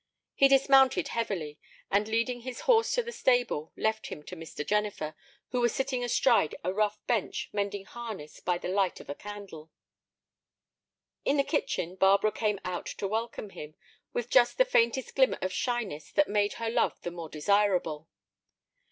He dismounted heavily, and leading his horse to the stable left him to Mr. Jennifer, who was sitting astride a rough bench mending harness by the light of a candle. In the kitchen Barbara came out to welcome him, with just the faintest glimmer of shyness that made her love the more desirable.